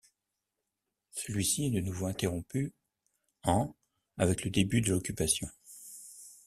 Celui-ci est de nouveau interrompu en avec le début de l'occupation.